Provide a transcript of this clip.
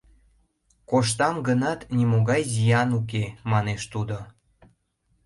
— Коштам гынат, нимогай зиян уке, — манеш тудо.